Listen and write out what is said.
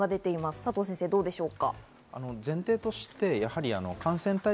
佐藤先生、いかがでしょうか？